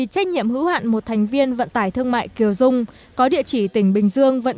trách nhiệm hữu hạn một thành viên vận tải thương mại kiều dung có địa chỉ tỉnh bình dương vận